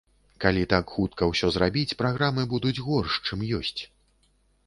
Калі так хутка ўсё зрабіць, праграмы будуць горш, чым ёсць.